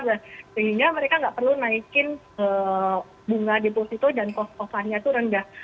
sehingga mereka gak perlu naikin bunga deposito dan cost of fund nya itu rendah